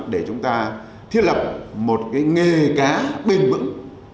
để chúng ta thiết lập một cái nghề cá bền vững